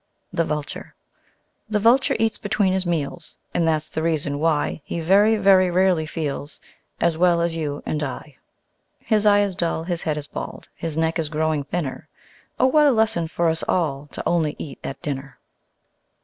The Vulture The Vulture eats between his meals, And that's the reason why He very, very rarely feels As well as you and I. His eye is dull, his head is bald, His neck is growing thinner. Oh! what a lesson for us all To only eat at dinner!